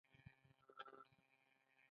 میوه او سبزیجات خورئ؟